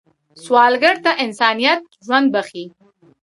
سوالګر ته انسانیت ژوند بښي